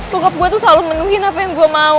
bokap gue tuh selalu menuhin apa yang gue mau